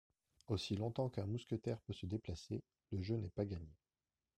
Aussi longtemps qu'un mousquetaire peut se déplacer, le jeu n'est pas gagné.